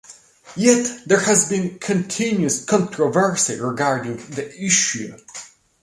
Yet, there has been continuous controversy regarding the issue.